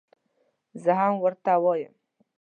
زه هم ورته وایم.